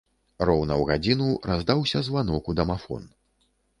Роўна ў гадзіну раздаўся званок у дамафон.